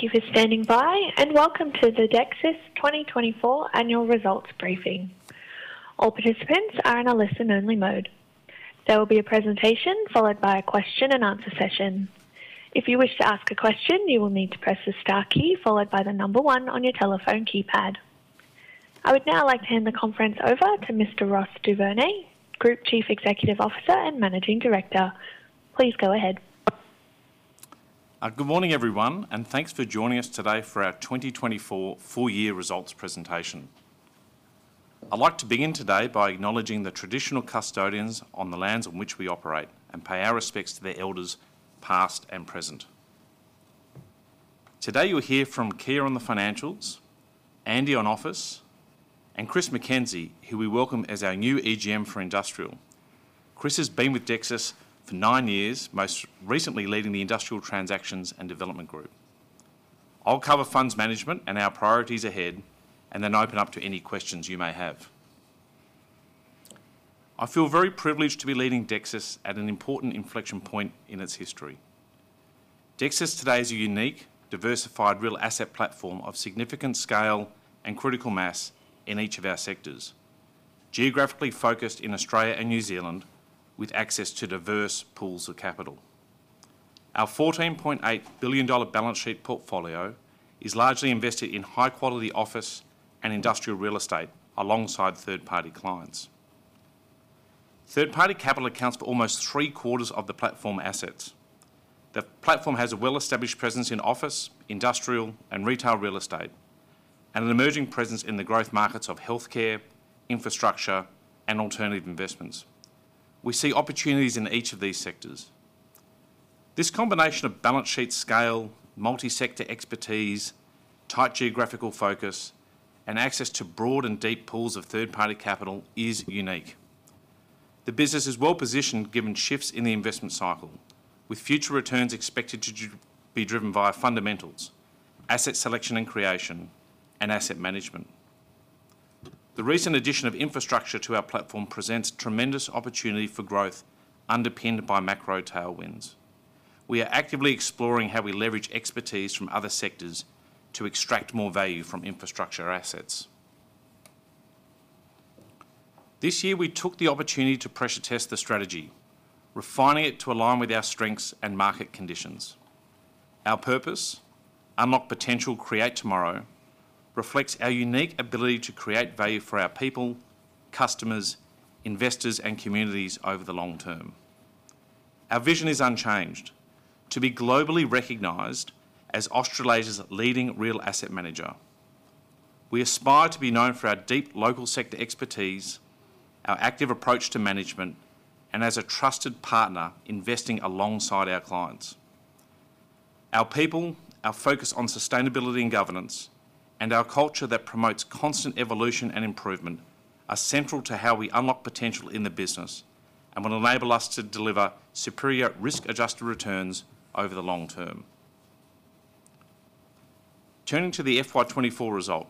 Thank you for standing by, and welcome to the Dexus 2024 annual results briefing. All participants are in a listen-only mode. There will be a presentation followed by a question and answer session. If you wish to ask a question, you will need to press the star key followed by the number one on your telephone keypad. I would now like to hand the conference over to Mr. Ross Du Vernet, Group Chief Executive Officer and Managing Director. Please go ahead. Good morning, everyone, and thanks for joining us today for our 2024 full year results presentation. I'd like to begin today by acknowledging the traditional custodians on the lands on which we operate and pay our respects to their elders, past and present. Today, you'll hear from Keir on the financials, Andy on office, and Chris Mackenzie, who we welcome as our new EGM for industrial. Chris has been with Dexus for nine years, most recently leading the Industrial Transactions and Development Group. I'll cover funds management and our priorities ahead, and then open up to any questions you may have. I feel very privileged to be leading Dexus at an important inflection point in its history. Dexus today is a unique, diversified real asset platform of significant scale and critical mass in each of our sectors, geographically focused in Australia and New Zealand, with access to diverse pools of capital. Our 14.8 billion dollar balance sheet portfolio is largely invested in high-quality office and industrial real estate alongside third-party clients. Third-party capital accounts for almost three-quarters of the platform assets. The platform has a well-established presence in office, industrial, and retail real estate, and an emerging presence in the growth markets of healthcare, infrastructure, and alternative investments. We see opportunities in each of these sectors. This combination of balance sheet scale, multi-sector expertise, tight geographical focus, and access to broad and deep pools of third-party capital is unique. The business is well-positioned given shifts in the investment cycle, with future returns expected to be driven via fundamentals, asset selection and creation, and asset management. The recent addition of infrastructure to our platform presents tremendous opportunity for growth, underpinned by macro tailwinds. We are actively exploring how we leverage expertise from other sectors to extract more value from infrastructure assets. This year, we took the opportunity to pressure test the strategy, refining it to align with our strengths and market conditions. Our purpose, Unlock potential. Create tomorrow, reflects our unique ability to create value for our people, customers, investors, and communities over the long term. Our vision is unchanged: to be globally recognized as Australasia's leading real asset manager. We aspire to be known for our deep local sector expertise, our active approach to management, and as a trusted partner investing alongside our clients. Our people, our focus on sustainability and governance, and our culture that promotes constant evolution and improvement are central to how we unlock potential in the business and will enable us to deliver superior risk-adjusted returns over the long term. Turning to the FY 2024 result.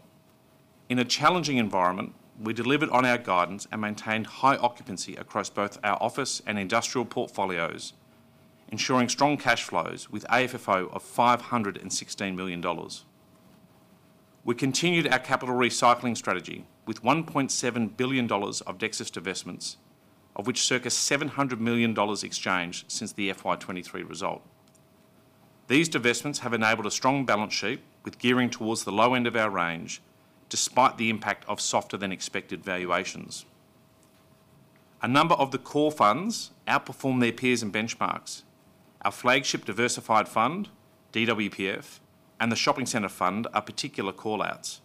In a challenging environment, we delivered on our guidance and maintained high occupancy across both our office and industrial portfolios, ensuring strong cash flows with AFFO of 516 million dollars. We continued our capital recycling strategy with 1.7 billion dollars of Dexus divestments, of which circa 700 million dollars exchanged since the FY 2023 result. These divestments have enabled a strong balance sheet with gearing towards the low end of our range, despite the impact of softer than expected valuations. A number of the core funds outperformed their peers and benchmarks. Our flagship diversified fund, DWPF, and the Shopping Centre Fund are particular call-outs.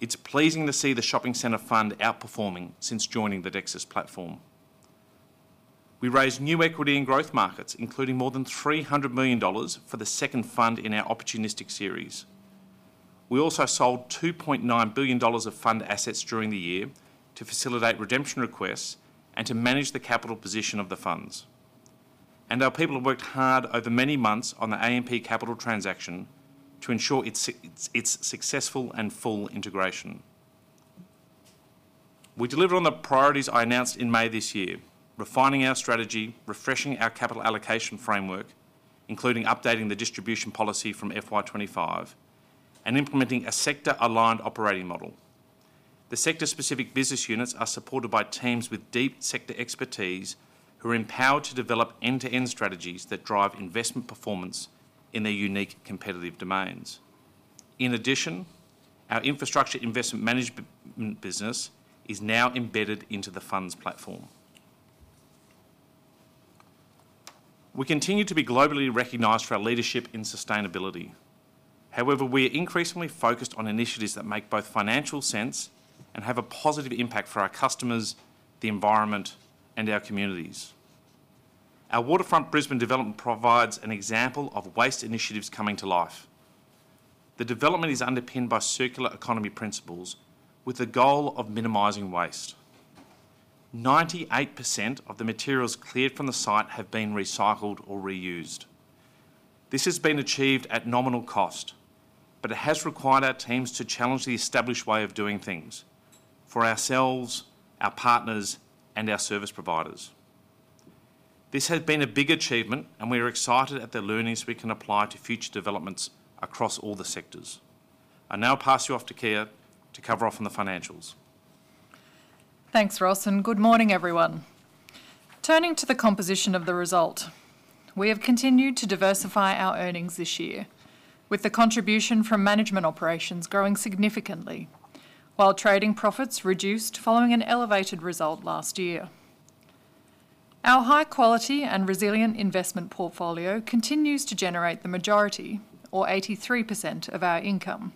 It's pleasing to see the Shopping Centre Fund outperforming since joining the Dexus platform. We raised new equity in growth markets, including more than 300 million dollars for the second fund in our opportunistic series. We also sold 2.9 billion dollars of fund assets during the year to facilitate redemption requests and to manage the capital position of the funds, and our people have worked hard over many months on the AMP Capital transaction to ensure its successful and full integration. We delivered on the priorities I announced in May this year, refining our strategy, refreshing our capital allocation framework, including updating the distribution policy from FY 2025, and implementing a sector-aligned operating model. The sector-specific business units are supported by teams with deep sector expertise, who are empowered to develop end-to-end strategies that drive investment performance in their unique competitive domains. In addition, our infrastructure investment management business is now embedded into the funds platform. We continue to be globally recognized for our leadership in sustainability. However, we are increasingly focused on initiatives that make both financial sense and have a positive impact for our customers, the environment, and our communities. Our Waterfront Brisbane development provides an example of waste initiatives coming to life. The development is underpinned by circular economy principles with the goal of minimizing waste. 98% of the materials cleared from the site have been recycled or reused. This has been achieved at nominal cost, but it has required our teams to challenge the established way of doing things for ourselves, our partners, and our service providers.... This has been a big achievement, and we are excited at the learnings we can apply to future developments across all the sectors. I now pass you off to Keir to cover off on the financials. Thanks, Ross, and good morning, everyone. Turning to the composition of the result, we have continued to diversify our earnings this year, with the contribution from management operations growing significantly, while trading profits reduced following an elevated result last year. Our high quality and resilient investment portfolio continues to generate the majority, or 83%, of our income.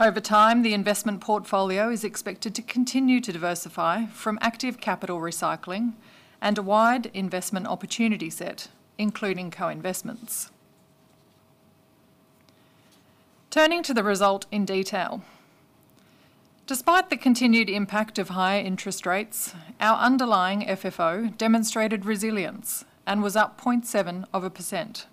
Over time, the investment portfolio is expected to continue to diversify from active capital recycling and a wide investment opportunity set, including co-investments. Turning to the result in detail. Despite the continued impact of higher interest rates, our underlying FFO demonstrated resilience and was up 0.7%.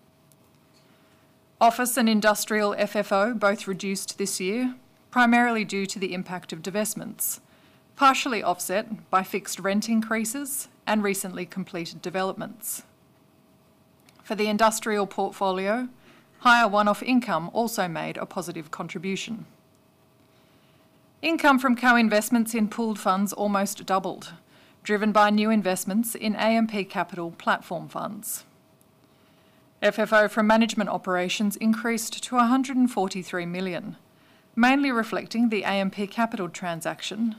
Office and industrial FFO both reduced this year, primarily due to the impact of divestments, partially offset by fixed rent increases and recently completed developments. For the industrial portfolio, higher one-off income also made a positive contribution. Income from co-investments in pooled funds almost doubled, driven by new investments in AMP Capital platform funds. FFO from management operations increased to 143 million, mainly reflecting the AMP Capital transaction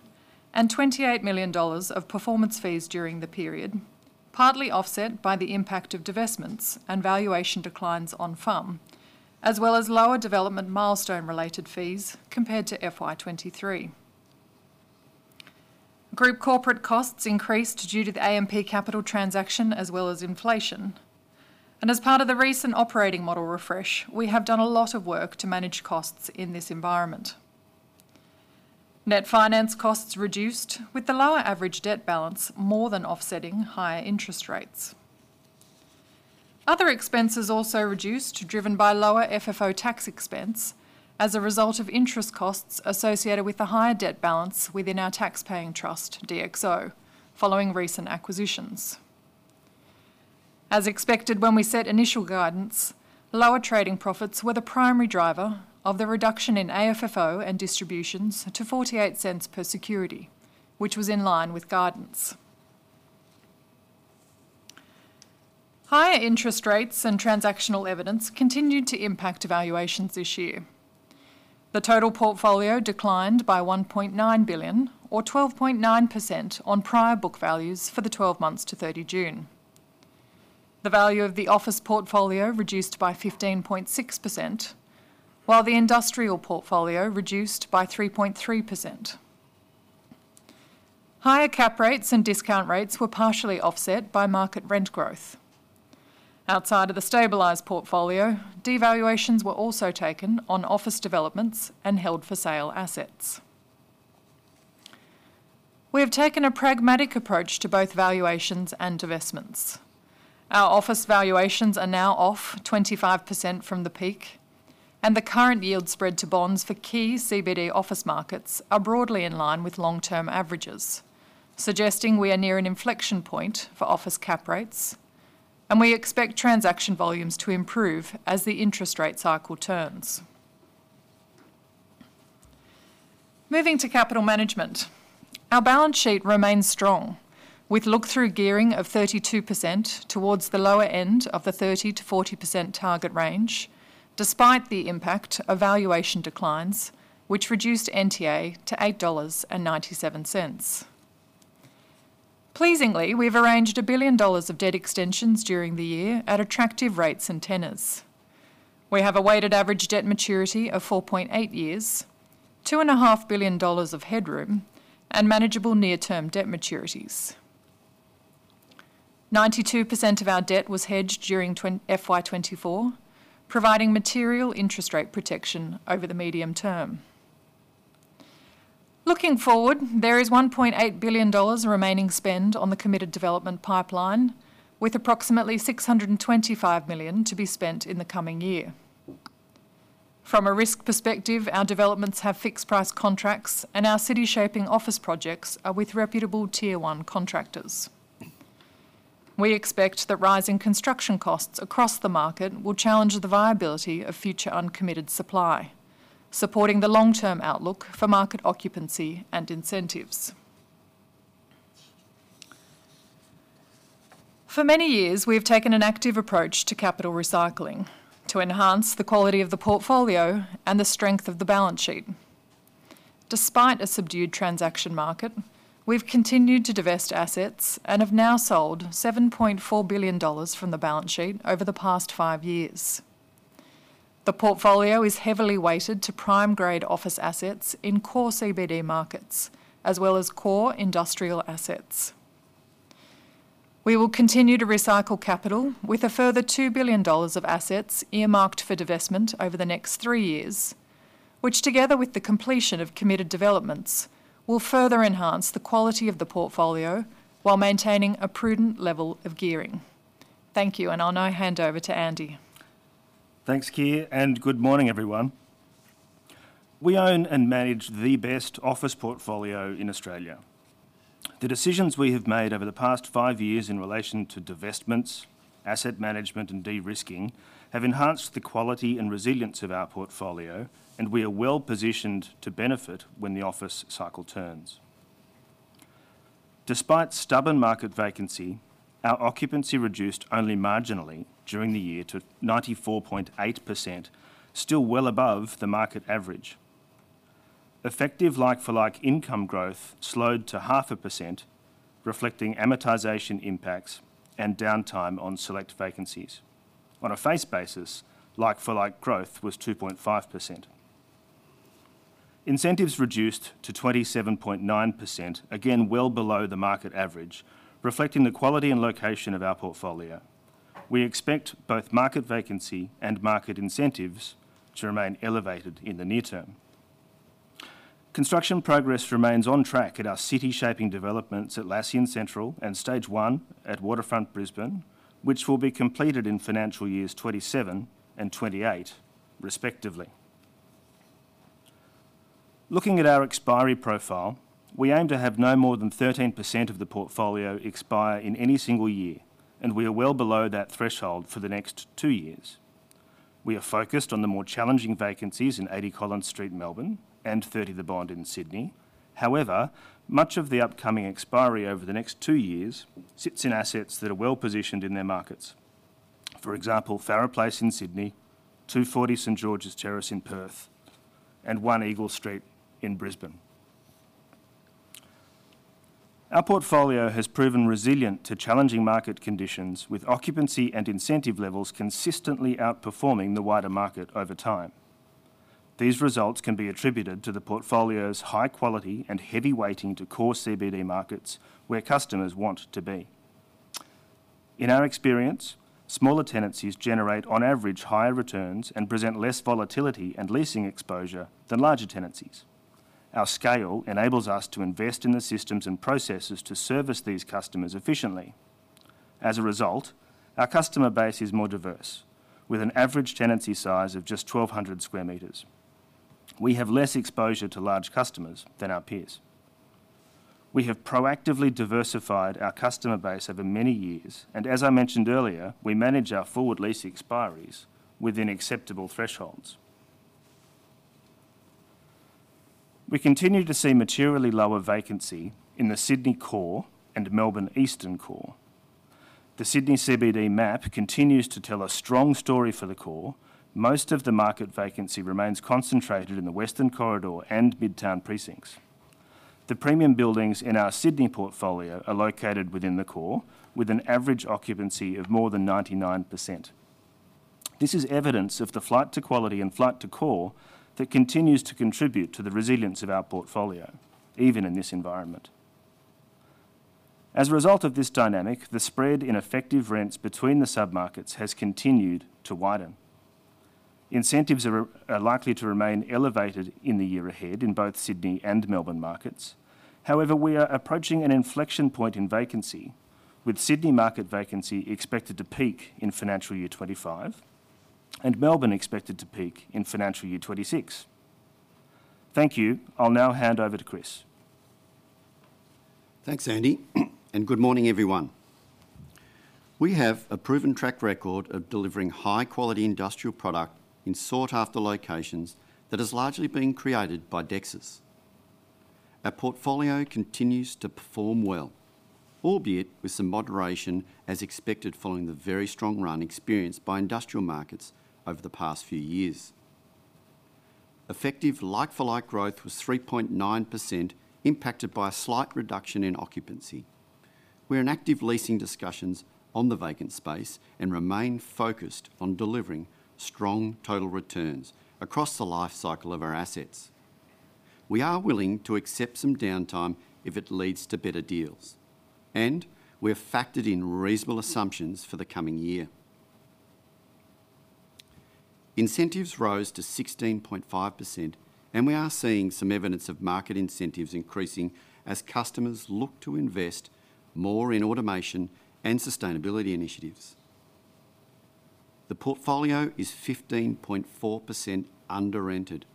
and 28 million dollars of performance fees during the period, partly offset by the impact of divestments and valuation declines on FUM, as well as lower development milestone-related fees compared to FY 2023. Group corporate costs increased due to the AMP Capital transaction as well as inflation, and as part of the recent operating model refresh, we have done a lot of work to manage costs in this environment. Net finance costs reduced, with the lower average debt balance more than offsetting higher interest rates. Other expenses also reduced, driven by lower FFO tax expense as a result of interest costs associated with the higher debt balance within our tax-paying trust, DXO, following recent acquisitions. As expected, when we set initial guidance, lower trading profits were the primary driver of the reduction in AFFO and distributions to 0.48 per security, which was in line with guidance. Higher interest rates and transactional evidence continued to impact valuations this year. The total portfolio declined by 1.9 billion, or 12.9%, on prior book values for the 12 months to 30 June. The value of the office portfolio reduced by 15.6%, while the industrial portfolio reduced by 3.3%. Higher cap rates and discount rates were partially offset by market rent growth. Outside of the stabilized portfolio, devaluations were also taken on office developments and held for sale assets. We have taken a pragmatic approach to both valuations and divestments. Our office valuations are now off 25% from the peak, and the current yield spread to bonds for key CBD office markets are broadly in line with long-term averages, suggesting we are near an inflection point for office cap rates, and we expect transaction volumes to improve as the interest rate cycle turns. Moving to capital management. Our balance sheet remains strong, with look-through gearing of 32% towards the lower end of the 30%-40% target range, despite the impact of valuation declines, which reduced NTA to 8.97 dollars. Pleasingly, we've arranged 1 billion dollars of debt extensions during the year at attractive rates and tenors. We have a weighted average debt maturity of 4.8 years, 2.5 billion dollars of headroom, and manageable near-term debt maturities. 92% of our debt was hedged during FY 2024, providing material interest rate protection over the medium term. Looking forward, there is 1.8 billion dollars remaining spend on the committed development pipeline, with approximately 625 million to be spent in the coming year. From a risk perspective, our developments have fixed-price contracts, and our city shaping office projects are with reputable Tier One contractors. We expect that rising construction costs across the market will challenge the viability of future uncommitted supply, supporting the long-term outlook for market occupancy and incentives. For many years, we have taken an active approach to capital recycling to enhance the quality of the portfolio and the strength of the balance sheet. Despite a subdued transaction market, we've continued to divest assets and have now sold 7.4 billion dollars from the balance sheet over the past five years. The portfolio is heavily weighted to prime grade office assets in core CBD markets, as well as core industrial assets. We will continue to recycle capital with a further 2 billion dollars of assets earmarked for divestment over the next three years, which, together with the completion of committed developments, will further enhance the quality of the portfolio while maintaining a prudent level of gearing. Thank you, and I'll now hand over to Andy. Thanks, Keir, and good morning, everyone. We own and manage the best office portfolio in Australia. The decisions we have made over the past five years in relation to divestments, asset management, and de-risking have enhanced the quality and resilience of our portfolio, and we are well-positioned to benefit when the office cycle turns. Despite stubborn market vacancy, our occupancy reduced only marginally during the year to 94.8%, still well above the market average. Effective like-for-like income growth slowed to 0.5%, reflecting amortization impacts and downtime on select vacancies. On a face basis, like-for-like growth was 2.5%. Incentives reduced to 27.9%, again, well below the market average, reflecting the quality and location of our portfolio. We expect both market vacancy and market incentives to remain elevated in the near term. Construction progress remains on track at our city shaping developments at Atlassian Central and Stage One at Waterfront Brisbane, which will be completed in financial years 2027 and 2028, respectively. Looking at our expiry profile, we aim to have no more than 13% of the portfolio expire in any single year, and we are well below that threshold for the next two years. We are focused on the more challenging vacancies in 80 Collins Street, Melbourne, and 30 The Bond in Sydney. However, much of the upcoming expiry over the next two years sits in assets that are well positioned in their markets. For example, Farrer Place in Sydney, 240 St Georges Terrace in Perth, and One Eagle Street in Brisbane. Our portfolio has proven resilient to challenging market conditions, with occupancy and incentive levels consistently outperforming the wider market over time. These results can be attributed to the portfolio's high quality and heavy weighting to core CBD markets where customers want to be. In our experience, smaller tenancies generate, on average, higher returns and present less volatility and leasing exposure than larger tenancies. Our scale enables us to invest in the systems and processes to service these customers efficiently. As a result, our customer base is more diverse, with an average tenancy size of just 1,200 sq m. We have less exposure to large customers than our peers. We have proactively diversified our customer base over many years, and as I mentioned earlier, we manage our forward lease expiries within acceptable thresholds. We continue to see materially lower vacancy in the Sydney Core and Melbourne Eastern Core. The Sydney CBD map continues to tell a strong story for the core. Most of the market vacancy remains concentrated in the western corridor and midtown precincts. The premium buildings in our Sydney portfolio are located within the core, with an average occupancy of more than 99%. This is evidence of the flight to quality and flight to core that continues to contribute to the resilience of our portfolio, even in this environment. As a result of this dynamic, the spread in effective rents between the submarkets has continued to widen. Incentives are likely to remain elevated in the year ahead in both Sydney and Melbourne markets. However, we are approaching an inflection point in vacancy, with Sydney market vacancy expected to peak in FY 2025 and Melbourne expected to peak in FY 2026. Thank you. I'll now hand over to Chris. Thanks, Andy, and good morning, everyone. We have a proven track record of delivering high-quality industrial product in sought-after locations that is largely being created by Dexus. Our portfolio continues to perform well, albeit with some moderation, as expected, following the very strong run experienced by industrial markets over the past few years. Effective like-for-like growth was 3.9%, impacted by a slight reduction in occupancy. We're in active leasing discussions on the vacant space and remain focused on delivering strong total returns across the lifecycle of our assets. We are willing to accept some downtime if it leads to better deals, and we have factored in reasonable assumptions for the coming year. Incentives rose to 16.5%, and we are seeing some evidence of market incentives increasing as customers look to invest more in automation and sustainability initiatives. The portfolio is 15.4% under-rented,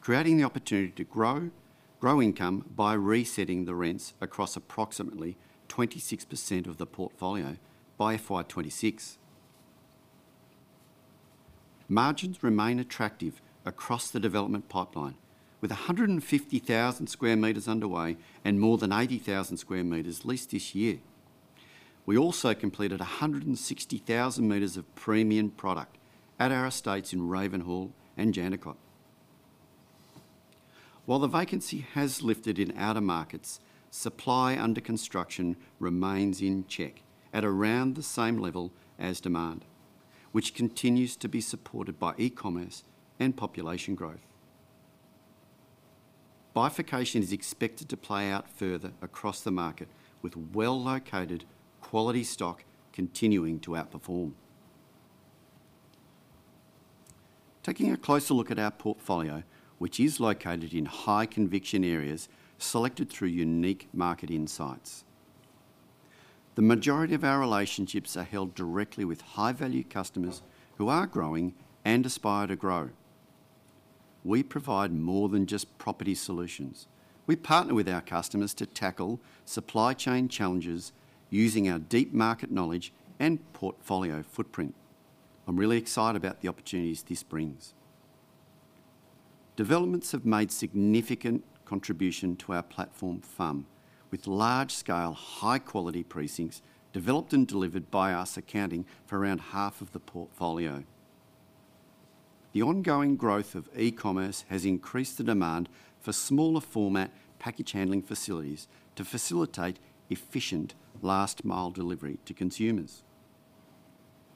creating the opportunity to grow, grow income by resetting the rents across approximately 26% of the portfolio by FY 2026. Margins remain attractive across the development pipeline, with 150,000 sq m underway and more than 80,000 sq m leased this year. We also completed 160,000 sq m of premium product at our estates in Ravenhall and Jandakot. While the vacancy has lifted in outer markets, supply under construction remains in check at around the same level as demand, which continues to be supported by e-commerce and population growth. Bifurcation is expected to play out further across the market, with well-located quality stock continuing to outperform. Taking a closer look at our portfolio, which is located in high conviction areas selected through unique market insights. The majority of our relationships are held directly with high-value customers who are growing and aspire to grow. We provide more than just property solutions. We partner with our customers to tackle supply chain challenges using our deep market knowledge and portfolio footprint. I'm really excited about the opportunities this brings. Developments have made significant contribution to our platform fund, with large-scale, high-quality precincts developed and delivered by us, accounting for around half of the portfolio. The ongoing growth of e-commerce has increased the demand for smaller format package handling facilities to facilitate efficient last-mile delivery to consumers.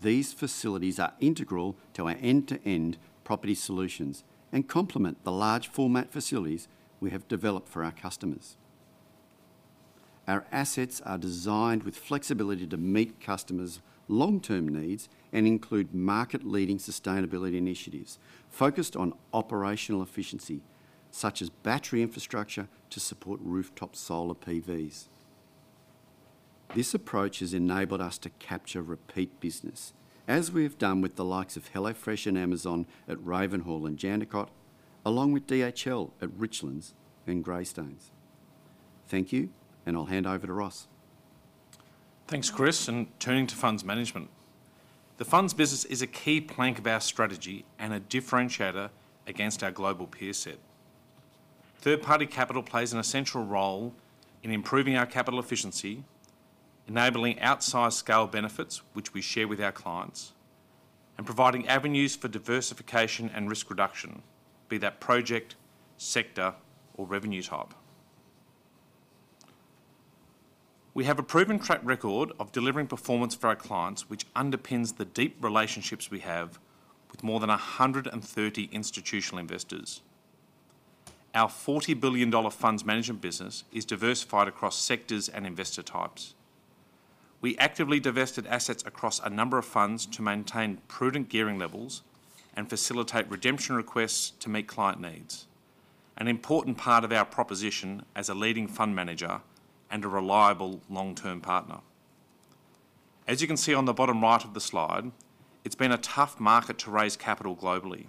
These facilities are integral to our end-to-end property solutions and complement the large format facilities we have developed for our customers. Our assets are designed with flexibility to meet customers' long-term needs and include market-leading sustainability initiatives focused on operational efficiency, such as battery infrastructure to support rooftop solar PVs. This approach has enabled us to capture repeat business, as we have done with the likes of HelloFresh and Amazon at Ravenhall and Jandakot, along with DHL at Richlands and Greystanes. Thank you, and I'll hand over to Ross. Thanks, Chris, and turning to funds management. The funds business is a key plank of our strategy and a differentiator against our global peer set. Third-party capital plays an essential role in improving our capital efficiency, enabling outsized scale benefits, which we share with our clients, and providing avenues for diversification and risk reduction, be that project, sector, or revenue type. We have a proven track record of delivering performance for our clients, which underpins the deep relationships we have with more than 130 institutional investors. Our 40 billion dollar funds management business is diversified across sectors and investor types. We actively divested assets across a number of funds to maintain prudent gearing levels and facilitate redemption requests to meet client needs, an important part of our proposition as a leading fund manager and a reliable long-term partner. As you can see on the bottom right of the slide, it's been a tough market to raise capital globally.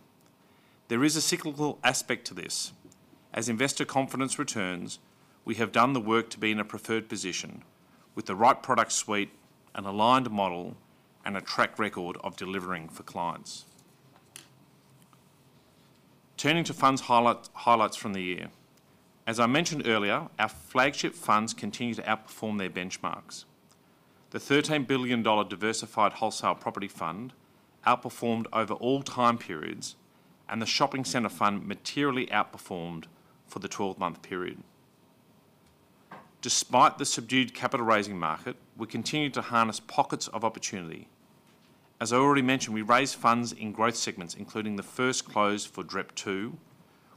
There is a cyclical aspect to this. As investor confidence returns, we have done the work to be in a preferred position with the right product suite, an aligned model, and a track record of delivering for clients. Turning to funds highlight, highlights from the year. As I mentioned earlier, our flagship funds continue to outperform their benchmarks. The 13 billion dollar diversified Wholesale Property Fund outperformed over all time periods, and the Shopping Centre Fund materially outperformed for the 12-month period. Despite the subdued capital raising market, we continued to harness pockets of opportunity. As I already mentioned, we raised funds in growth segments, including the first close for DREP II,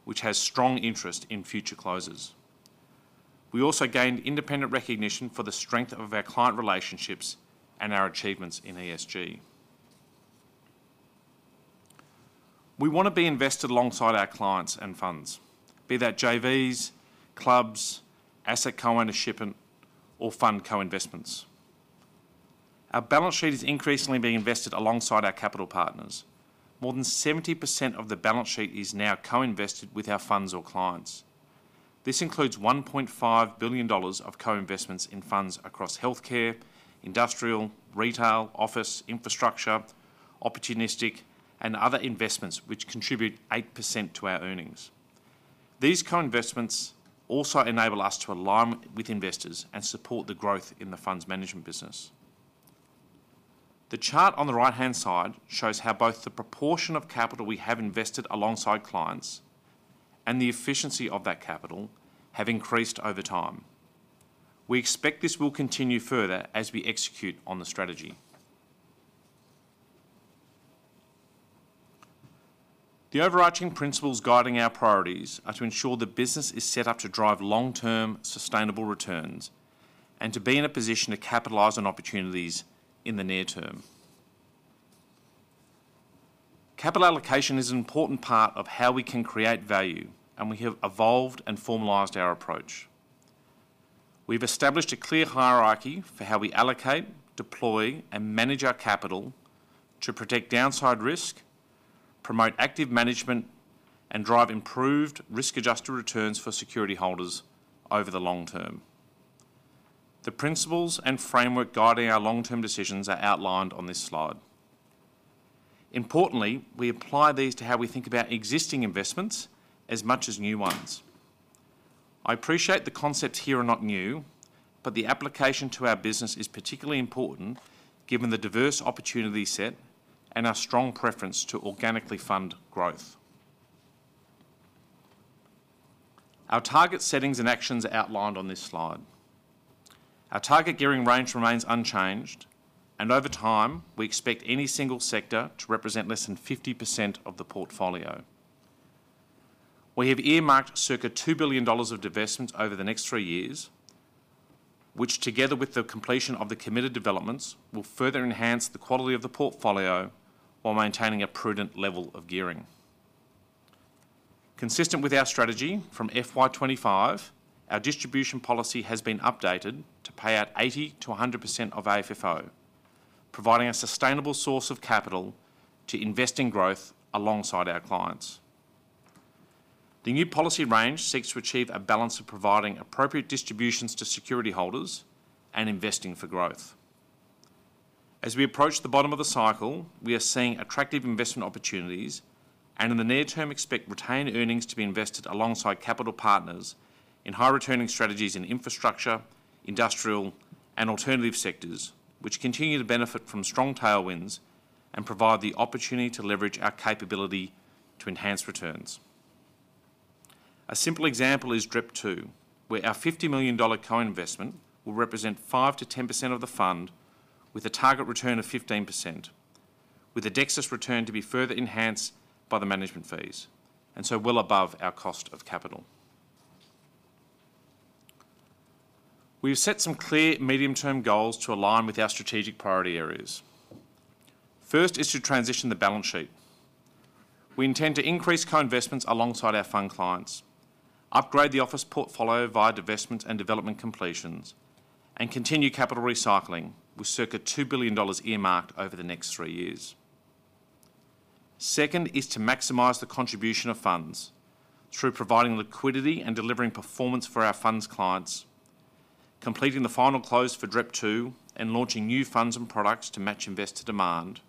which has strong interest in future closes. We also gained independent recognition for the strength of our client relationships and our achievements in ESG. We want to be invested alongside our clients and funds, be that JVs, clubs, asset co-ownership, or fund co-investments. Our balance sheet is increasingly being invested alongside our capital partners. More than 70% of the balance sheet is now co-invested with our funds or clients. This includes 1.5 billion dollars of co-investments in funds across healthcare, industrial, retail, office, infrastructure, opportunistic, and other investments, which contribute 8% to our earnings. These co-investments also enable us to align with investors and support the growth in the funds management business. The chart on the right-hand side shows how both the proportion of capital we have invested alongside clients and the efficiency of that capital have increased over time. We expect this will continue further as we execute on the strategy. The overarching principles guiding our priorities are to ensure the business is set up to drive long-term, sustainable returns and to be in a position to capitalize on opportunities in the near term. Capital allocation is an important part of how we can create value, and we have evolved and formalized our approach. We've established a clear hierarchy for how we allocate, deploy, and manage our capital to protect downside risk, promote active management, and drive improved risk-adjusted returns for security holders over the long term. The principles and framework guiding our long-term decisions are outlined on this slide. Importantly, we apply these to how we think about existing investments as much as new ones. I appreciate the concepts here are not new, but the application to our business is particularly important given the diverse opportunity set and our strong preference to organically fund growth. Our target settings and actions are outlined on this slide. Our target gearing range remains unchanged, and over time, we expect any single sector to represent less than 50% of the portfolio. We have earmarked circa 2 billion dollars of divestments over the next three years, which, together with the completion of the committed developments, will further enhance the quality of the portfolio while maintaining a prudent level of gearing. Consistent with our strategy from FY 2025, our distribution policy has been updated to pay out 80%-100% of AFFO, providing a sustainable source of capital to invest in growth alongside our clients. The new policy range seeks to achieve a balance of providing appropriate distributions to security holders and investing for growth. As we approach the bottom of the cycle, we are seeing attractive investment opportunities, and in the near term, expect retained earnings to be invested alongside capital partners in high-returning strategies in infrastructure, industrial, and alternative sectors, which continue to benefit from strong tailwinds and provide the opportunity to leverage our capability to enhance returns. A simple example is DREP II, where our 50 million dollar co-investment will represent 5% to 10% of the fund, with a target return of 15%, with the Dexus return to be further enhanced by the management fees, and so well above our cost of capital. We've set some clear medium-term goals to align with our strategic priority areas. First is to transition the balance sheet. We intend to increase co-investments alongside our fund clients, upgrade the office portfolio via divestments and development completions, and continue capital recycling with circa 2 billion dollars earmarked over the next three years. Second is to maximize the contribution of funds through providing liquidity and delivering performance for our funds clients, completing the final close for DREP II, and launching new funds and products to match investor demand,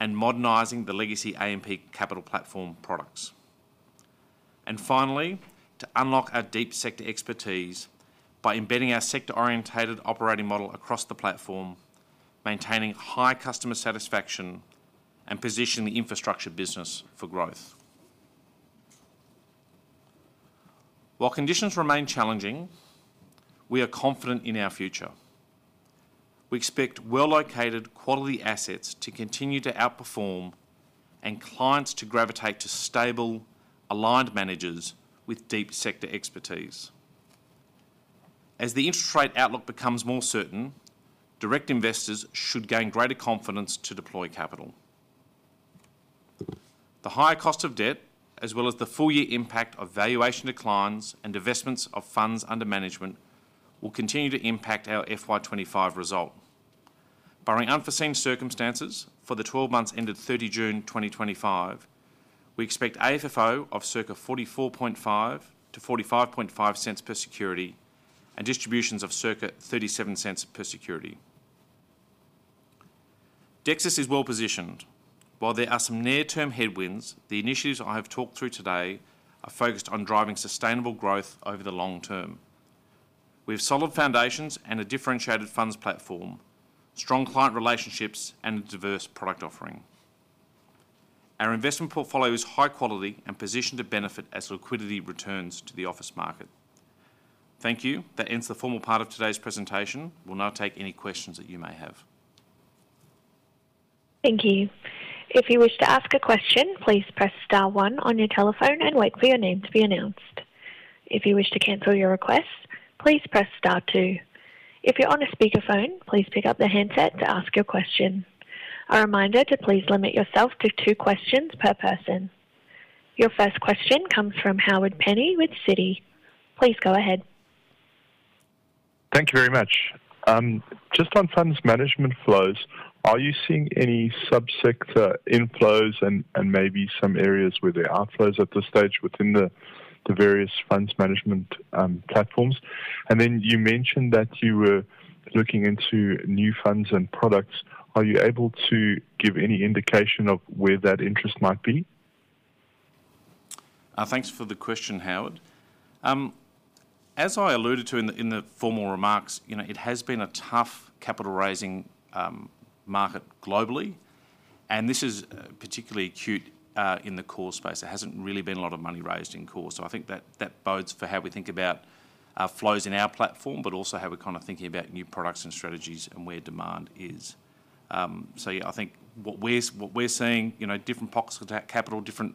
and modernizing the legacy AMP Capital platform products. And finally, to unlock our deep sector expertise by embedding our sector-oriented operating model across the platform, maintaining high customer satisfaction, and position the infrastructure business for growth. While conditions remain challenging, we are confident in our future. We expect well-located, quality assets to continue to outperform and clients to gravitate to stable, aligned managers with deep sector expertise. As the interest rate outlook becomes more certain, direct investors should gain greater confidence to deploy capital. The higher cost of debt, as well as the full year impact of valuation declines and divestments of funds under management, will continue to impact our FY 2025 result. Barring unforeseen circumstances, for the 12 months ended 30 June 2025, we expect AFFO of circa 0.445-0.455 per security and distributions of circa 0.37 per security. Dexus is well positioned. While there are some near-term headwinds, the initiatives I have talked through today are focused on driving sustainable growth over the long term. We have solid foundations and a differentiated funds platform, strong client relationships, and a diverse product offering. Our investment portfolio is high quality and positioned to benefit as liquidity returns to the office market. Thank you. That ends the formal part of today's presentation. We'll now take any questions that you may have. Thank you. If you wish to ask a question, please press star one on your telephone and wait for your name to be announced. If you wish to cancel your request, please press star two. If you're on a speakerphone, please pick up the handset to ask your question. A reminder to please limit yourself to two questions per person. Your first question comes from Howard Penny with Citi. Please go ahead. Thank you very much. Just on funds management flows, are you seeing any subsector inflows and maybe some areas where there are outflows at this stage within the various funds management platforms? And then you mentioned that you were looking into new funds and products. Are you able to give any indication of where that interest might be? Thanks for the question, Howard. As I alluded to in the formal remarks, you know, it has been a tough capital raising market globally, and this is particularly acute in the core space. There hasn't really been a lot of money raised in core. So I think that bodes for how we think about flows in our platform, but also how we're kind of thinking about new products and strategies and where demand is. So yeah, I think what we're seeing, you know, different pockets of that capital, different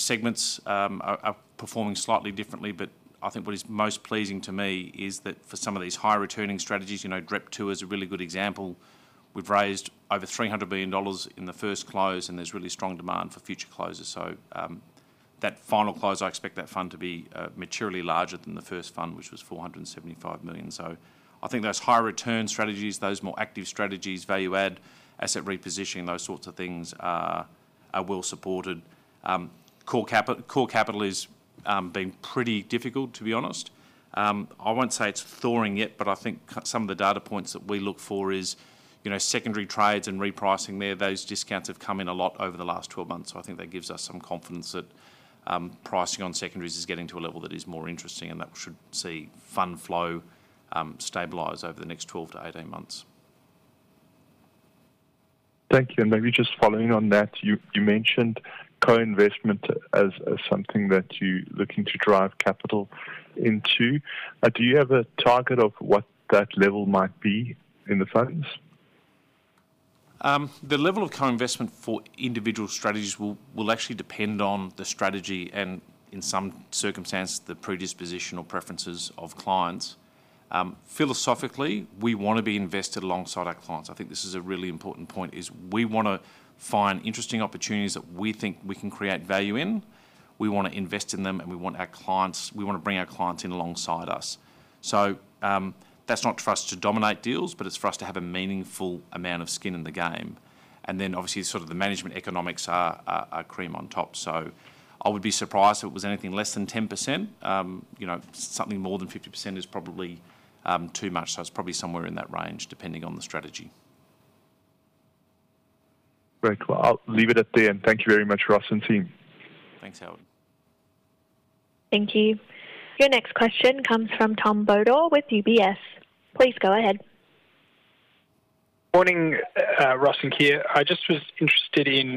segments are performing slightly differently. But I think what is most pleasing to me is that for some of these high-returning strategies, you know, DREP II is a really good example. We've raised over 300 billion dollars in the first close, and there's really strong demand for future closes. So, that final close, I expect that fund to be materially larger than the first fund, which was 475 million. So I think those high return strategies, those more active strategies, value add, asset repositioning, those sorts of things are well supported. Core capital is been pretty difficult, to be honest. I won't say it's thawing yet, but I think some of the data points that we look for is, you know, secondary trades and repricing there, those discounts have come in a lot over the last twelve months. So I think that gives us some confidence that pricing on secondaries is getting to a level that is more interesting, and that should see fund flow stabilize over the next 12 to 18 months. Thank you. And maybe just following on that, you, you mentioned co-investment as, as something that you're looking to drive capital into. Do you have a target of what that level might be in the funds? The level of co-investment for individual strategies will actually depend on the strategy and, in some circumstances, the predisposition or preferences of clients. Philosophically, we wanna be invested alongside our clients. I think this is a really important point, is we wanna find interesting opportunities that we think we can create value in. We wanna invest in them, and we want our clients, we wanna bring our clients in alongside us. That's not for us to dominate deals, but it's for us to have a meaningful amount of skin in the game. And then, obviously, sort of the management economics are cream on top. I would be surprised if it was anything less than 10%. You know, something more than 50% is probably too much, so it's probably somewhere in that range, depending on the strategy. Great. Well, I'll leave it at the end. Thank you very much, Ross and team. Thanks, Howard. Thank you. Your next question comes from Tom Bodor with UBS. Please go ahead. Morning, Ross and Keir. I just was interested in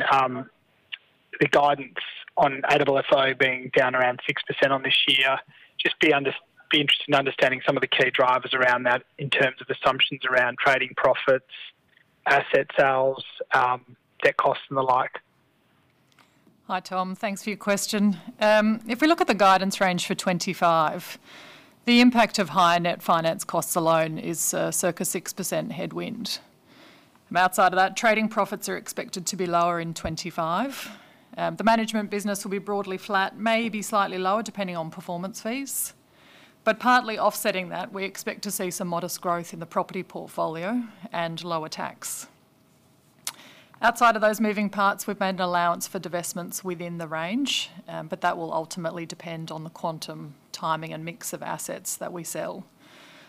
the guidance on AFFO being down around 6% on this year. Just interested in understanding some of the key drivers around that in terms of assumptions around trading profits, asset sales, debt costs and the like. Hi, Tom. Thanks for your question. If we look at the guidance range for 2025, the impact of higher net finance costs alone is circa 6% headwind. Outside of that, trading profits are expected to be lower in 2025. The management business will be broadly flat, maybe slightly lower, depending on performance fees. But partly offsetting that, we expect to see some modest growth in the property portfolio and lower tax. Outside of those moving parts, we've made an allowance for divestments within the range, but that will ultimately depend on the quantum, timing, and mix of assets that we sell,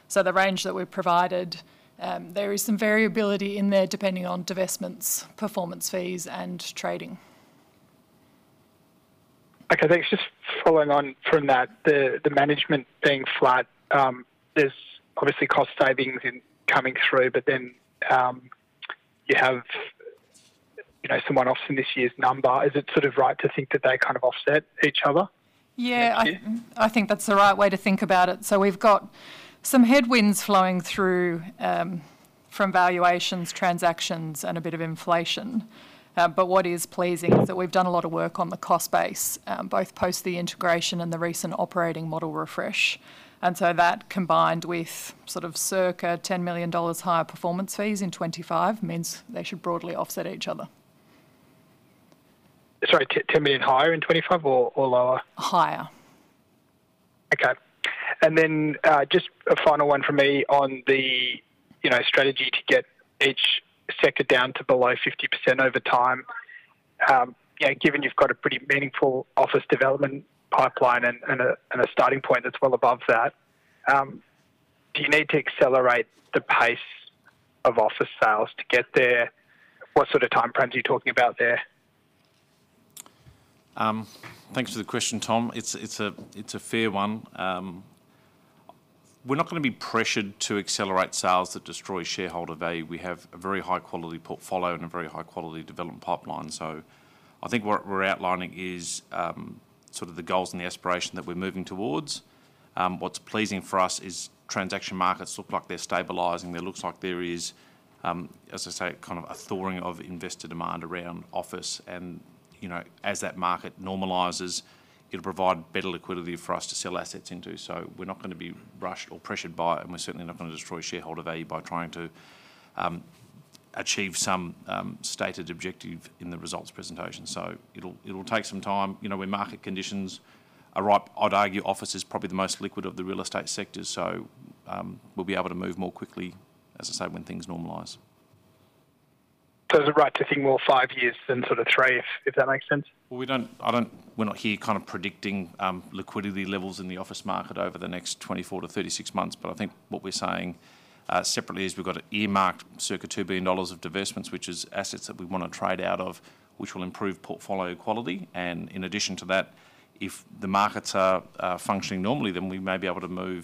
so the range that we've provided, there is some variability in there, depending on divestments, performance fees, and trading. Okay, thanks. Just following on from that, the management being flat, there's obviously cost savings in coming through, but then, you know, someone else in this year's number. Is it sort of right to think that they kind of offset each other? Yeah, I think that's the right way to think about it. So we've got some headwinds flowing through from valuations, transactions, and a bit of inflation. But what is pleasing is that we've done a lot of work on the cost base, both post the integration and the recent operating model refresh. And so that, combined with sort of circa 10 million dollars higher performance fees in 2025, means they should broadly offset each other. Sorry, ten million higher in twenty-five or lower? Higher. Okay. And then, just a final one for me on the, you know, strategy to get each sector down to below 50% over time. You know, given you've got a pretty meaningful office development pipeline and a starting point that's well above that, do you need to accelerate the pace of office sales to get there? What sort of timeframe are you talking about there? Thanks for the question, Tom. It's a fair one. We're not gonna be pressured to accelerate sales that destroy shareholder value. We have a very high-quality portfolio and a very high-quality development pipeline. So I think what we're outlining is sort of the goals and the aspiration that we're moving towards. What's pleasing for us is transaction markets look like they're stabilizing. It looks like there is, as I say, kind of a thawing of investor demand around office, and, you know, as that market normalizes, it'll provide better liquidity for us to sell assets into. So we're not gonna be rushed or pressured by it, and we're certainly not gonna destroy shareholder value by trying to achieve some stated objective in the results presentation. So it'll take some time. You know, when market conditions are right, I'd argue office is probably the most liquid of the real estate sector, so we'll be able to move more quickly, as I say, when things normalize. So is it right to think more five years than sort of three, if that makes sense? We don't... I don't... We're not here kind of predicting liquidity levels in the office market over the next 24 to 36 months. But I think what we're saying separately is we've got an earmarked circa 2 billion dollars of divestments, which is assets that we wanna trade out of, which will improve portfolio quality. And in addition to that, if the markets are functioning normally, then we may be able to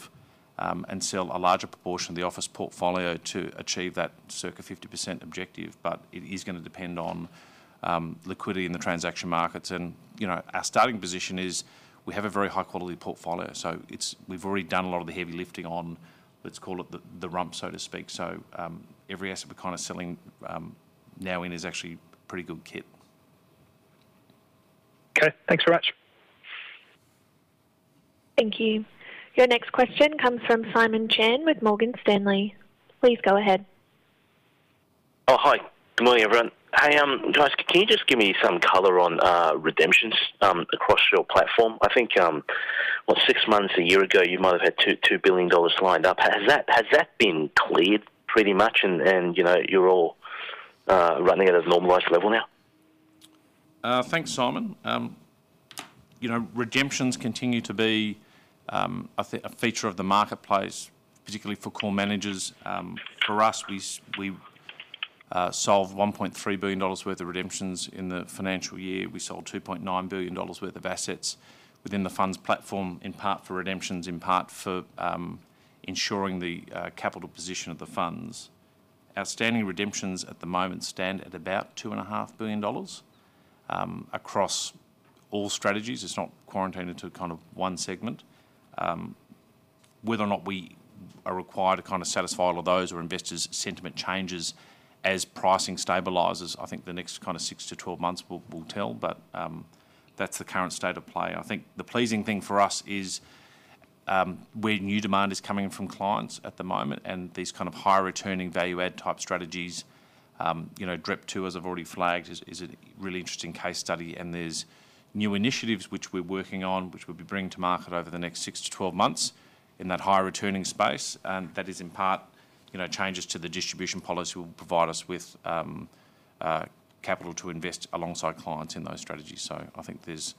move and sell a larger proportion of the office portfolio to achieve that circa 50% objective. But it is gonna depend on liquidity in the transaction markets. And, you know, our starting position is we have a very high-quality portfolio, so it's. We've already done a lot of the heavy lifting on, let's call it, the rump, so to speak. Every asset we're kind of selling now in is actually pretty good kit. Okay, thanks very much. Thank you. Your next question comes from Simon Chan with Morgan Stanley. Please go ahead. Oh, hi. Good morning, everyone. Hey, guys, can you just give me some color on redemptions across your platform? I think, well, six months, a year ago, you might have had 2 billion dollars lined up. Has that been cleared pretty much, and you know, you're all running at a normalized level now? Thanks, Simon. You know, redemptions continue to be a feature of the marketplace, particularly for core managers. For us, we solved 1.3 billion dollars worth of redemptions in the financial year. We sold 2.9 billion dollars worth of assets within the funds platform, in part for redemptions, in part for ensuring the capital position of the funds. Outstanding redemptions at the moment stand at about 2.5 billion dollars across all strategies. It's not quarantined into kind of one segment. Whether or not we are required to kind of satisfy all of those or investors' sentiment changes as pricing stabilizes, I think the next kind of six to twelve months will tell. But that's the current state of play. I think the pleasing thing for us is where new demand is coming in from clients at the moment, and these kind of high-returning, value-add type strategies. You know, DREP II, as I've already flagged, is a really interesting case study, and there's new initiatives which we're working on, which we'll be bringing to market over the next 6-12 months in that high-returning space. And that is, in part, you know, changes to the distribution policy will provide us with capital to invest alongside clients in those strategies. So I think there's,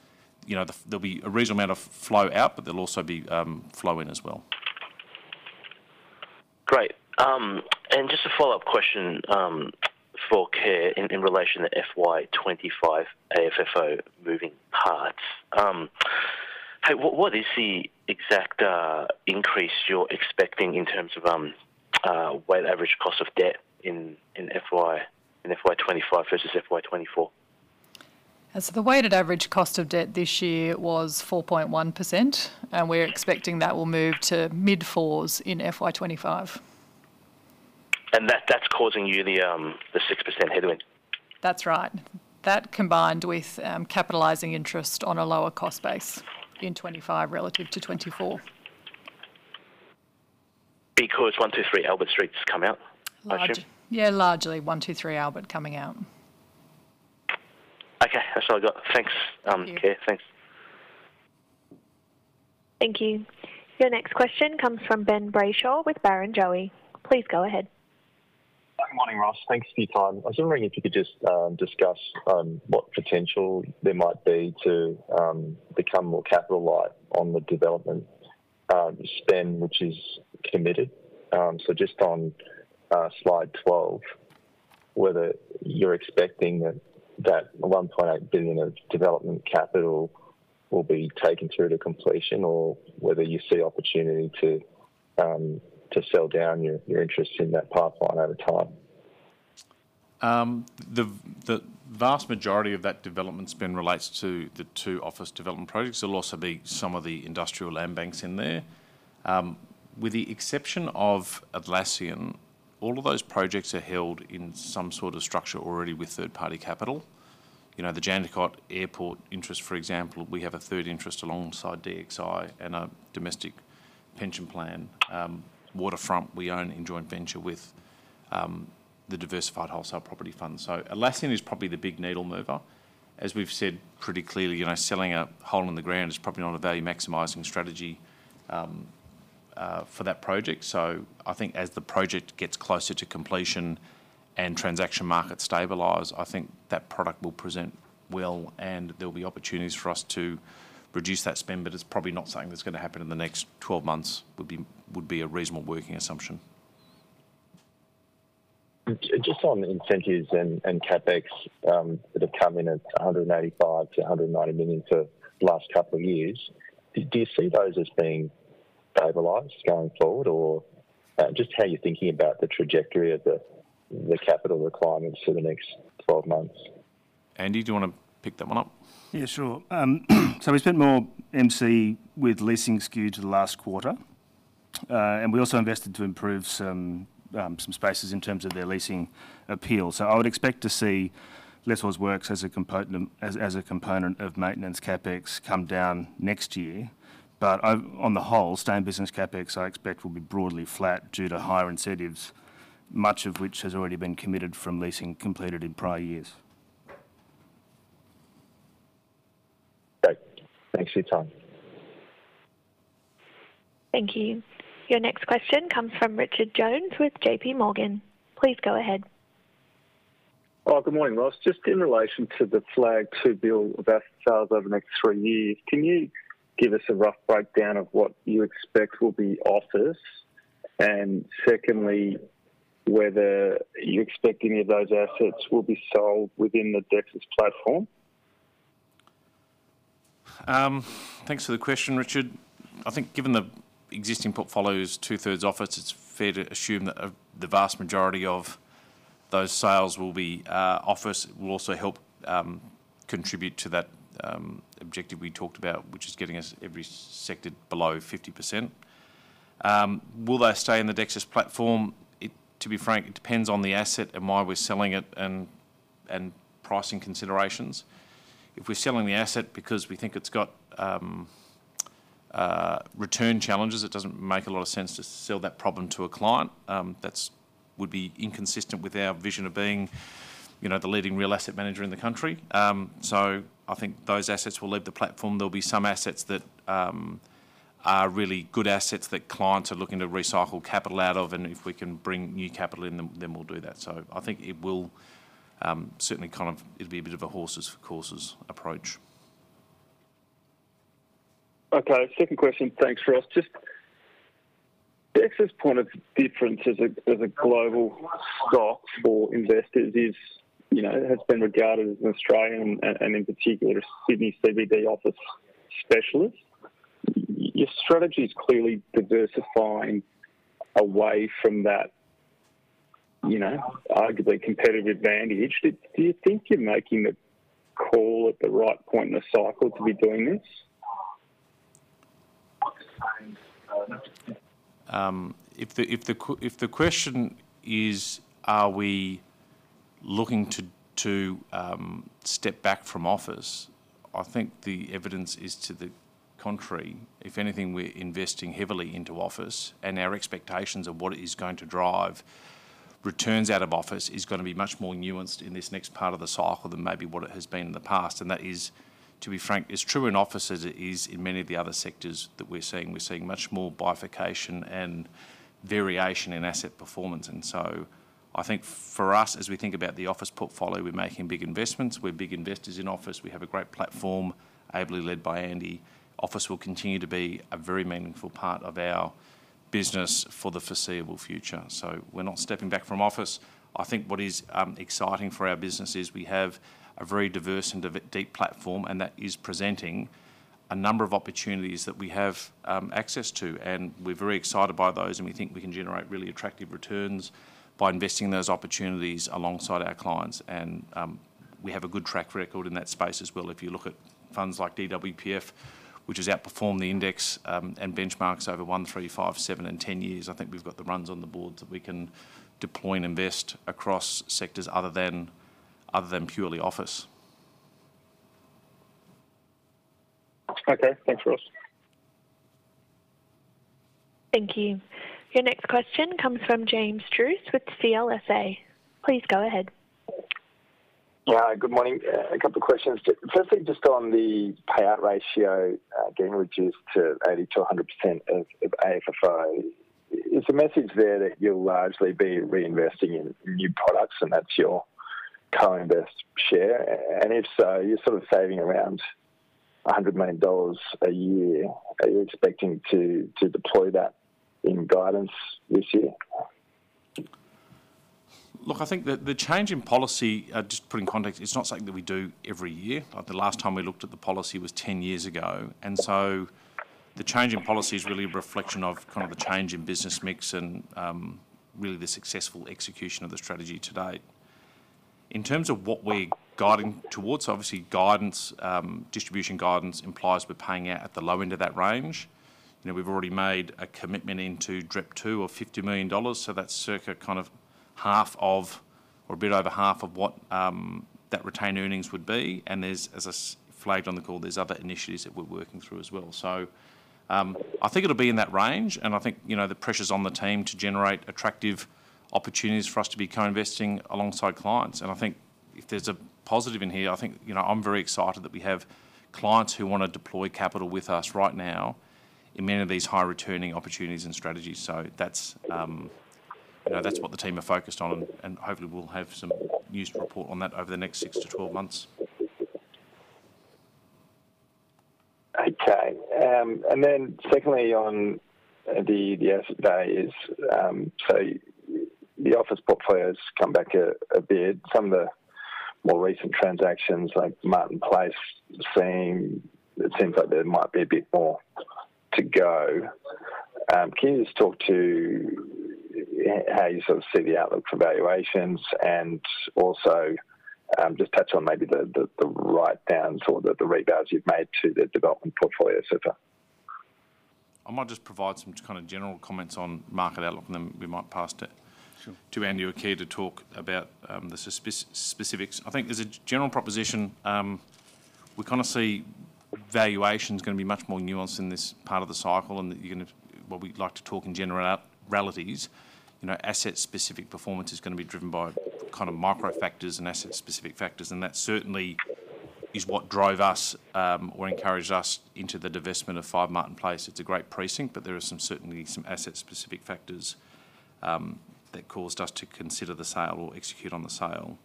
you know, there'll be a reasonable amount of flow out, but there'll also be flow in as well. Great. And just a follow-up question, for Keir in relation to FY 2025 AFFO moving parts. Hey, what is the exact increase you're expecting in terms of weighted average cost of debt in FY 2025 versus FY 2024? So the weighted average cost of debt this year was 4.1%, and we're expecting that will move to mid-fours in FY 2025. And that, that's causing you the 6% headwind? That's right. That, combined with, capitalizing interest on a lower cost base in 2025 relative to 2024. Because 123 Albert Street comes out, I assume? Yeah, largely one, two, three Albert coming out. Okay, that's all I got. Thanks, Keir. Thank you. Thanks. Thank you. Your next question comes from Ben Brayshaw with Barrenjoey. Please go ahead. Good morning, Ross. Thanks for your time. I was wondering if you could just discuss what potential there might be to become more capital light on the development spend, which is committed. So just on slide 12, whether you're expecting that 1.8 billion of development capital will be taken through to completion, or whether you see opportunity to sell down your interest in that pipeline over time. The vast majority of that development spend relates to the two office development projects. There'll also be some of the industrial land banks in there. With the exception of Atlassian, all of those projects are held in some sort of structure already with third-party capital. You know, the Jandakot Airport interest, for example, we have a third interest alongside DXI and a domestic pension plan. Waterfront, we own in joint venture with the Diversified Wholesale Property Fund. So Atlassian is probably the big needle mover. As we've said pretty clearly, you know, selling a hole in the ground is probably not a value-maximizing strategy for that project. I think as the project gets closer to completion and transaction markets stabilize, I think that product will present well, and there will be opportunities for us to reduce that spend, but it's probably not something that's going to happen in the next 12 months. That would be a reasonable working assumption. Just on the incentives and CapEx that have come in at 185 million-190 million for the last couple of years, do you see those as being stabilized going forward, or just how are you thinking about the trajectory of the capital requirements for the next 12 months? Andy, do you want to pick that one up? Yeah, sure. So we spent more capex with leasing skewed to the last quarter. And we also invested to improve some spaces in terms of their leasing appeal. So I would expect to see less works as a component of maintenance CapEx come down next year. But on the whole, sustaining business CapEx, I expect, will be broadly flat due to higher incentives, much of which has already been committed from leasing completed in prior years. Great. Thanks for your time. Thank you. Your next question comes from Richard Jones with JP Morgan. Please go ahead. Good morning, Ross. Just in relation to the pipeline of asset sales over the next three years, can you give us a rough breakdown of what you expect will be office? And secondly, whether you expect any of those assets will be sold within the Dexus platform? Thanks for the question, Richard. I think given the existing portfolio is 2/3 office, it's fair to assume that the vast majority of those sales will be office. It will also help contribute to that objective we talked about, which is getting us every sector below 50%. Will they stay in the Dexus platform? To be frank, it depends on the asset and why we're selling it, and pricing considerations. If we're selling the asset because we think it's got return challenges, it doesn't make a lot of sense to sell that problem to a client. That would be inconsistent with our vision of being, you know, the leading real asset manager in the country. So I think those assets will leave the platform. There'll be some assets that are really good assets that clients are looking to recycle capital out of, and if we can bring new capital in, then we'll do that. So I think it will certainly kind of... it'll be a bit of a horses for courses approach. Okay, second question. Thanks, Ross. Just Dexus' point of difference as a global stock for investors is, you know, has been regarded as an Australian, and in particular, a Sydney CBD office specialist. Your strategy is clearly diversifying away from that, you know, arguably competitive advantage. Do you think you're making the call at the right point in the cycle to be doing this? ... If the question is, are we looking to step back from office? I think the evidence is to the contrary. If anything, we're investing heavily into office, and our expectations of what is going to drive returns out of office is gonna be much more nuanced in this next part of the cycle than maybe what it has been in the past. And that is, to be frank, it's true in office as it is in many of the other sectors that we're seeing. We're seeing much more bifurcation and variation in asset performance. And so I think for us, as we think about the office portfolio, we're making big investments. We're big investors in office. We have a great platform, ably led by Andy. Office will continue to be a very meaningful part of our business for the foreseeable future. We're not stepping back from office. I think what is exciting for our business is we have a very diverse and deep platform, and that is presenting a number of opportunities that we have access to, and we're very excited by those, and we think we can generate really attractive returns by investing in those opportunities alongside our clients. We have a good track record in that space as well. If you look at funds like DWPF, which has outperformed the index and benchmarks over one, three, five, seven, and ten years, I think we've got the runs on the board that we can deploy and invest across sectors other than purely office. Okay, thanks, Ross. Thank you. Your next question comes from James Drees with CLSA. Please go ahead. Yeah, good morning. A couple of questions. Firstly, just on the payout ratio being reduced to 80%-100% of AFFO. Is the message there that you'll largely be reinvesting in new products, and that's your co-invest share? And if so, you're sort of saving around 100 million dollars a year. Are you expecting to deploy that in guidance this year? Look, I think the change in policy, just to put in context, it's not something that we do every year. The last time we looked at the policy was ten years ago, and so the change in policy is really a reflection of kind of the change in business mix and really the successful execution of the strategy to date. In terms of what we're guiding towards, obviously, guidance, distribution guidance implies we're paying out at the low end of that range. You know, we've already made a commitment into DREP II of 50 million dollars, so that's circa kind of half of, or a bit over half of what that retained earnings would be, and there's, as I flagged on the call, there's other initiatives that we're working through as well. So, I think it'll be in that range, and I think, you know, the pressure's on the team to generate attractive opportunities for us to be co-investing alongside clients. And I think if there's a positive in here, I think, you know, I'm very excited that we have clients who want to deploy capital with us right now in many of these high-returning opportunities and strategies. So that's, you know, that's what the team are focused on, and hopefully, we'll have some news to report on that over the next 6-12 months. Okay, and then secondly, on the asset base. So the office portfolio's come back a bit. Some of the more recent transactions, like Martin Place, seem. It seems like there might be a bit more to go. Can you just talk to how you sort of see the outlook for valuations and also, just touch on maybe the write-downs or the revals you've made to the development portfolio so far? I might just provide some kind of general comments on market outlook, and then we might pass to- Sure. To Andy or Keir to talk about the specifics. I think as a general proposition, we kinda see valuation's gonna be much more nuanced in this part of the cycle, and that you're gonna... Well, we'd like to talk in generalities. You know, asset-specific performance is gonna be driven by kind of micro factors and asset-specific factors, and that certainly is what drove us or encouraged us into the divestment of 5 Martin Place. It's a great precinct, but there are some, certainly some asset-specific factors that caused us to consider the sale or execute on the sale.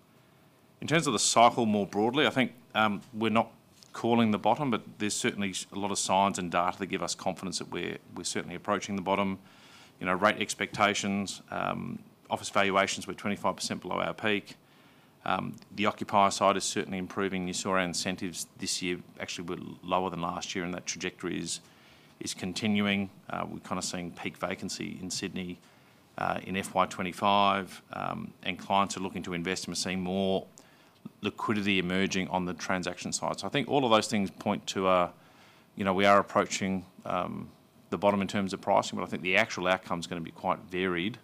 In terms of the cycle more broadly, I think, we're not calling the bottom, but there's certainly a lot of signs and data that give us confidence that we're certainly approaching the bottom. You know, rate expectations, office valuations were 25% below our peak. The occupier side is certainly improving. You saw our incentives this year actually were lower than last year, and that trajectory is continuing. We're kinda seeing peak vacancy in Sydney in FY 2025, and clients are looking to invest, and we're seeing more liquidity emerging on the transaction side. So I think all of those things point to a, you know, we are approaching the bottom in terms of pricing, but I think the actual outcome's gonna be quite varied,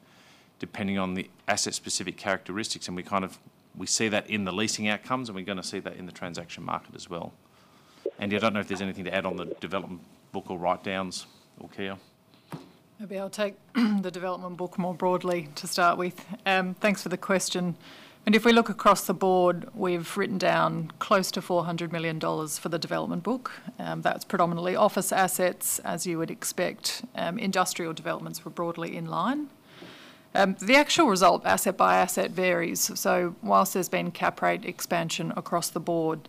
depending on the asset-specific characteristics, and we kind of see that in the leasing outcomes, and we're gonna see that in the transaction market as well. Andy, I don't know if there's anything to add on the development book or write-downs or Keir? Maybe I'll take the development book more broadly to start with. Thanks for the question. And if we look across the board, we've written down close to 400 million dollars for the development book. That's predominantly office assets, as you would expect. Industrial developments were broadly in line. The actual result, asset by asset, varies. So while there's been cap rate expansion across the board,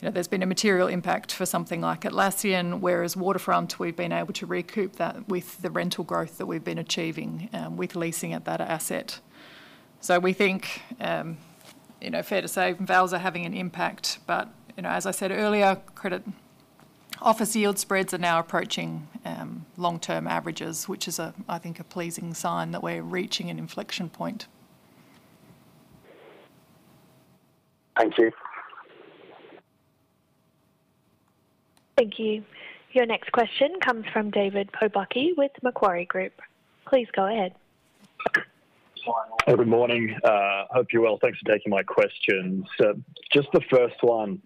you know, there's been a material impact for something like Atlassian, whereas Waterfront, we've been able to recoup that with the rental growth that we've been achieving with leasing at that asset. So we think, you know, fair to say vals are having an impact, but, you know, as I said earlier, credit office yield spreads are now approaching long-term averages, which is, I think, a pleasing sign that we're reaching an inflection point. Thank you. ... Thank you. Your next question comes from David Poblocki with Macquarie Group. Please go ahead. Good morning. Hope you're well. Thanks for taking my questions. Just the first one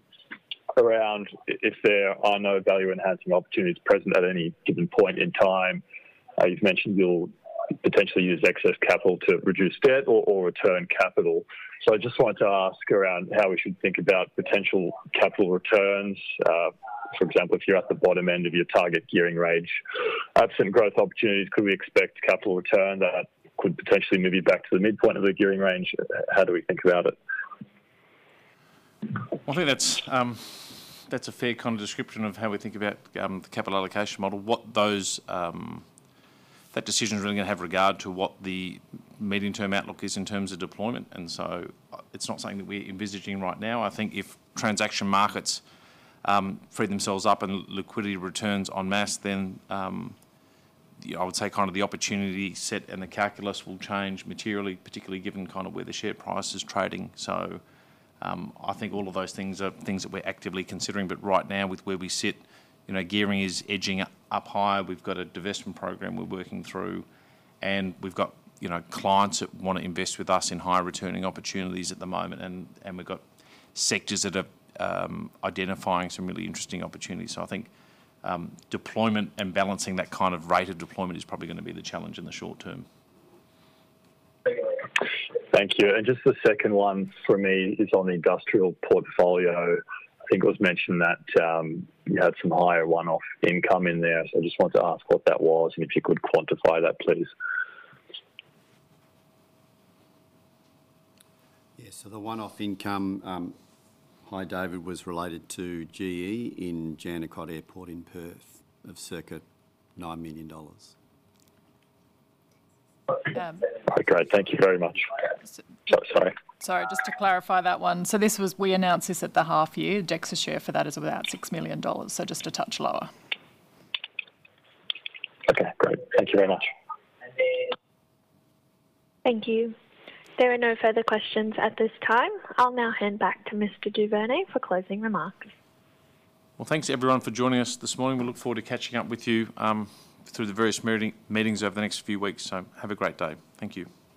around if there are no value enhancing opportunities present at any given point in time, you've mentioned you'll potentially use excess capital to reduce debt or return capital. So I just wanted to ask around how we should think about potential capital returns. For example, if you're at the bottom end of your target gearing range, absent growth opportunities, could we expect capital return that could potentially move you back to the midpoint of the gearing range? How do we think about it? I think that's a fair kind of description of how we think about the capital allocation model. That decision is really gonna have regard to what the medium-term outlook is in terms of deployment, and so it's not something that we're envisaging right now. I think if transaction markets free themselves up and liquidity returns en masse, then, yeah, I would say kind of the opportunity set and the calculus will change materially, particularly given kind of where the share price is trading. I think all of those things are things that we're actively considering. Right now, with where we sit, you know, gearing is edging up higher. We've got a divestment program we're working through, and we've got, you know, clients that want to invest with us in higher returning opportunities at the moment. We've got sectors that are identifying some really interesting opportunities, so I think deployment and balancing that kind of rate of deployment is probably going to be the challenge in the short term. Thank you. And just the second one for me is on the industrial portfolio. I think it was mentioned that you had some higher one-off income in there, so I just wanted to ask what that was, and if you could quantify that, please. Yeah. The one-off income, hi, David, was related to GE in Jandakot Airport in Perth of circa 9 million dollars. Okay. Great. Thank you very much. Sorry. Sorry, just to clarify that one. So this was. We announced this at the half year. Dexus share for that is about 6 million dollars, so just a touch lower. Okay, great. Thank you very much. Thank you. There are no further questions at this time. I'll now hand back to Mr. Du Vernet for closing remarks. Thanks, everyone, for joining us this morning. We look forward to catching up with you through the various meetings over the next few weeks. Have a great day. Thank you.